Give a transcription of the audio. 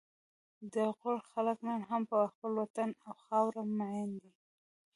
د غور خلک نن هم په خپل وطن او خاوره مین دي